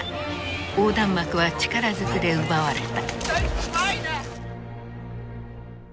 横断幕は力ずくで奪われた。